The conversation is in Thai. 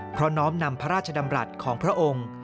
เพราะน้อมนำพระราชดำรัฐของพระองค์